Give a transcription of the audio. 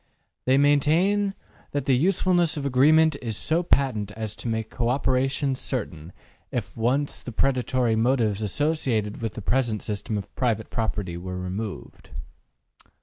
They maintain that the usefulness of agreement is so patent as to make co operation certain if once the predatory motives associated with the present system of private property were removed.